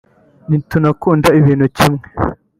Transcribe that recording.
ntitunakunda ibintu kimwe